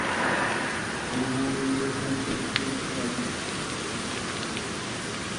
হরিমোহিনী কহিলেন, সতীশের কথা আলাদা।